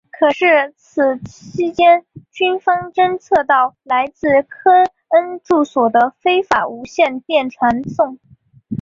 可是此期间军方侦测到来自科恩住所的非法无线电传送。